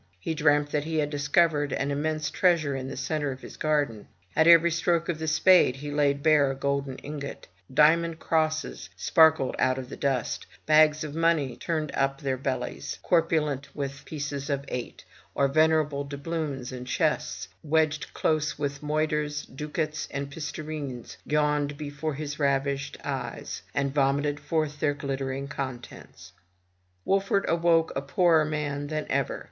He dreamt that he had discovered an immense treasure in the centre of his garden. At every stroke of the spade he laid bare a golden ingot; diamond crosses sparkled out of the dust; bags of money turned up their bellies, corpulent with pieces of eight, or venerable doubloons; and chests, wedged close with moidores, ducats, and pistareens, yawned before his ravished eyes, and vomited forth their glittering contents. Wolfert awoke a poorer man than ever.